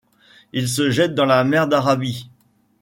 Il se jette dans la mer d'Arabie.